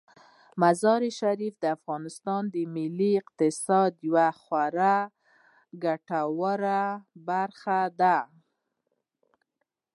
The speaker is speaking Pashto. مزارشریف د افغانستان د ملي اقتصاد یوه خورا ګټوره برخه ده.